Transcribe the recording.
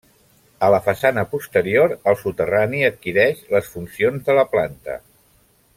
A la façana posterior el soterrani adquireix les funcions de la planta.